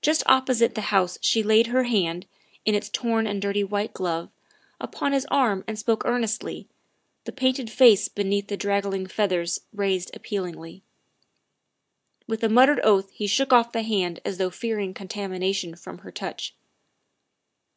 Just opposite the house she laid her hand, in its torn and dirty white glove, upon his arm and spoke earnestly, the painted face beneath the draggled feathers raised appealingly. With a muttered oath he shook off the hand as though fearing contamination from her touch.